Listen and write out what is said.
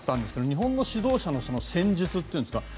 日本の指導者の戦術っていうんですかね。